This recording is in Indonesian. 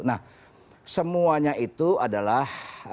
nah semuanya itu adalah